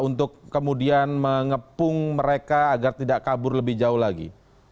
untuk kemudian mengepung mereka agar tidak kabur lebih jauh lagi